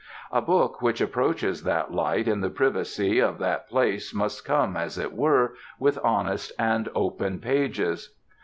A book which approaches that light in the privacy of that place must come, as it were, with honest and open pages.